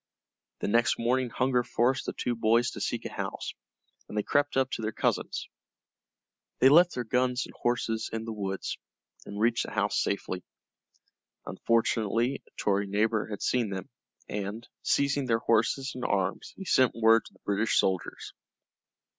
The next morning hunger forced the two boys to seek a house, and they crept up to their cousin's. They left their guns and horses in the woods, and reached the house safely. Unfortunately a Tory neighbor had seen them, and, seizing their horses and arms, he sent word to the British soldiers.